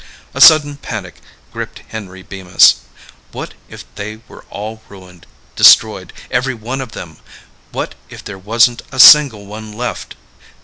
A sudden panic gripped Henry Bemis. What if they were all ruined, destroyed, every one of them? What if there wasn't a single one left?